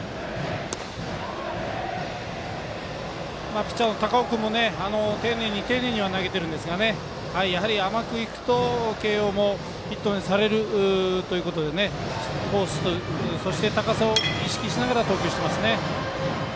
ピッチャーの高尾君も丁寧に投げているんですが甘くいくと慶応もヒットにされるということでコース、そして高さを意識しながら投球していますね。